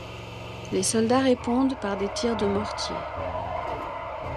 Les soldats répondent par des tirs de mortier.